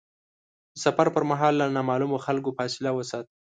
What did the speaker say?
د سفر پر مهال له نامعلومو خلکو فاصله وساته.